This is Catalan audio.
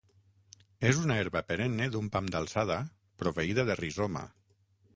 És una herba perenne d'un pam d'alçada proveïda de rizoma.